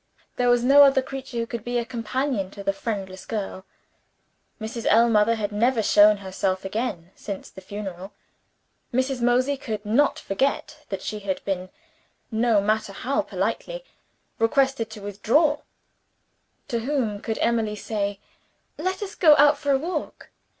There was no other creature who could be a companion to the friendless girl. Mrs. Ellmother had never shown herself again since the funeral. Mrs. Mosey could not forget that she had been (no matter how politely) requested to withdraw. To whom could Emily say, "Let us go out for a walk?"